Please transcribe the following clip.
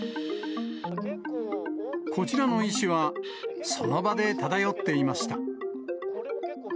こちらの石は、その場で漂っていました。